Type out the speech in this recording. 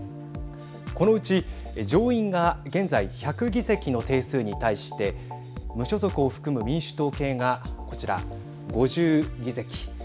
このうち上院が現在１００議席の定数に対して無所属を含む民主党系がこちら。